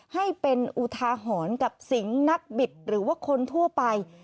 ให้เป็นอุทาหรณ์กับสิงห์นักบิดหรือว่าคนทั่วไป